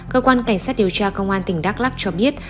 cơ quan cảnh sát điều tra công an tỉnh đắk lắc cho biết